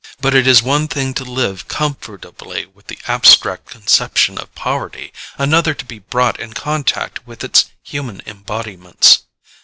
But it is one thing to live comfortably with the abstract conception of poverty, another to be brought in contact with its human embodiments.